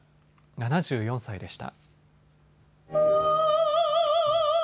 ７４歳でした。